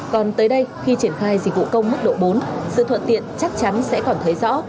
còn tới đây khi triển khai dịch vụ công mức độ bốn sự thuận tiện chắc chắn sẽ còn thấy rõ